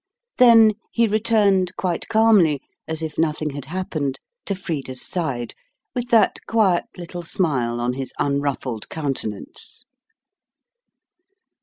Then he returned quite calmly, as if nothing had happened, to Frida's side, with that quiet little smile on his unruffled countenance.